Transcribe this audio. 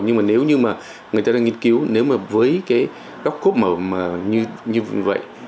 nhưng mà nếu như mà người ta đang nghiên cứu nếu mà với cái góc cốt mở như vậy